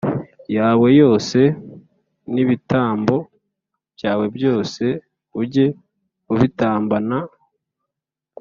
Yawe yose n’ ibitambo byawe byose ujye ubitambana